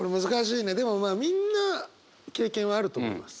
いやでもみんな経験はあると思います。